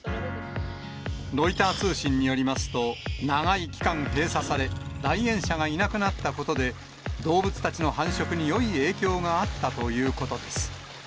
ロイター通信によりますと、長い期間閉鎖され、来園者がいなくなったことで、動物たちの繁殖によい影響があったということです。